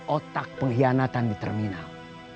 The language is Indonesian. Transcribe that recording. otak pengkhianatan di terminal